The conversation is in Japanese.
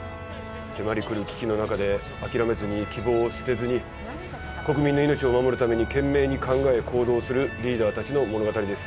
迫りくる危機のなかで諦めずに希望を捨てずに国民の命を守るために懸命に考え行動するリーダーたちの物語です